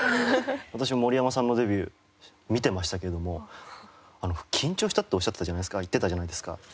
私森山さんのデビュー見てましたけども「緊張した」っておっしゃってたじゃないですか言ってたじゃないですか。